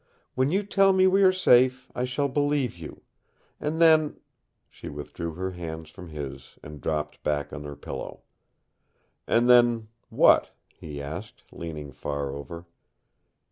When you tell me we are safe, I shall believe you. And then " She withdrew her hands from his and dropped back on her pillow. "And then what?" he asked, leaning far over.